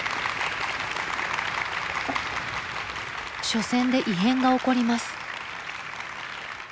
初戦で異変が起こります。